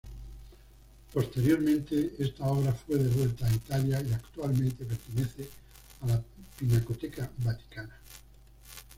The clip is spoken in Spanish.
Posteriormente esta obra fue devuelta a Italia y actualmente pertenece a la Pinacoteca Vaticana.